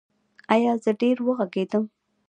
ایا زه ډیر وغږیدم؟